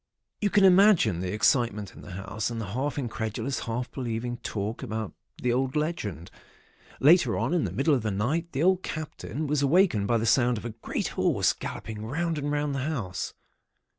"You can imagine the excitement in the house, and the half incredulous, half believing talk about the old legend. Later on, in the middle of the night, the old Captain was awakened by the sound of a great horse galloping round and round the house.